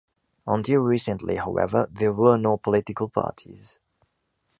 Until recently, however, there were no political parties.